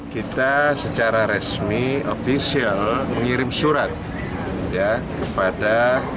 kita secara resmi ofisial mengirim surat kepada